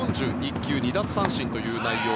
４１球２奪三振という内容。